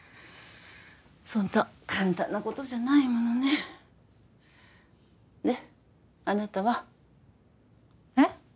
そんな簡単なことじゃないものねであなたは？えっ？